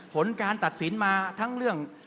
ผลการตัดสินมาทั้งเรื่อง